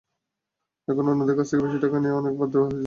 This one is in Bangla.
এখন অন্যদের কাছ থেকে বেশি টাকা নিয়ে আমাদের বাদ দেওয়া হয়েছে।